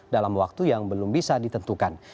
dalam waktu yang belum bisa ditentukan